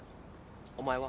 お前は？